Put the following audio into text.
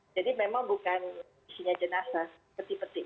jadi memang bukan jenazah yang diambil